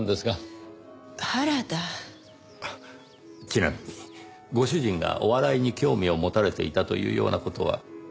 ちなみにご主人がお笑いに興味を持たれていたというような事は？